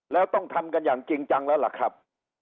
แล้วต้องทำกันอย่างจริงจังแล้วล่ะครับ